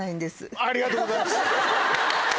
ありがとうございます。